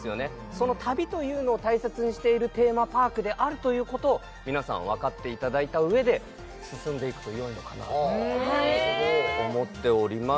その旅というのを大切にしているテーマパークであるということを皆さんわかっていただいた上で進んでいくとよいのかなとなるほど思っております